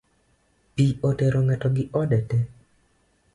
Pi otero ng’ato gi ode tee